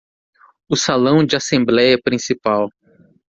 O salão de assembléia principal